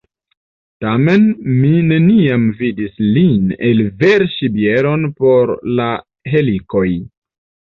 Tamen mi neniam vidis lin elverŝi bieron por la helikoj.